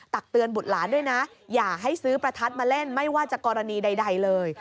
ตักเตือนบุตรหลานด้วยนะอย่าให้ซื้อประทัดมาเล่นไม่ว่าจะกรณีใดเลย